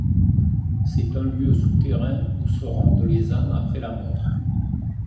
C'est un lieu souterrain, où se rendent les âmes après la mort.